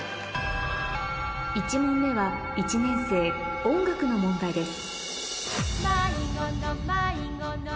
１問目は１年生音楽の問題です